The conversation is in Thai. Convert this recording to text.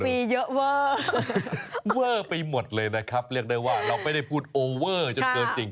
มีเยอะเวอร์เวอร์ไปหมดเลยนะครับเรียกได้ว่าเราไม่ได้พูดโอเวอร์จนเกินจริง